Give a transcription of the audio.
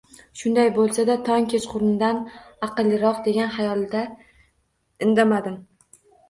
Shunday bo`lsa-da tong kechqurundan aqlliroq degan xayolda indamadim